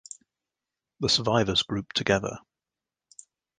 The survivors grouped together.